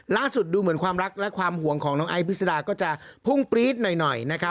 ดูเหมือนความรักและความห่วงของน้องไอพิษดาก็จะพุ่งปรี๊ดหน่อย